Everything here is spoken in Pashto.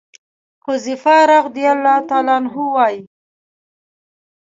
حذيفه رضي الله عنه وايي: